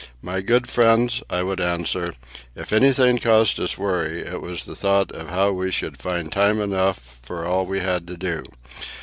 My good friends, I would answer, if anything caused us worry, it was the thought of how we should find time enough for all we had to do.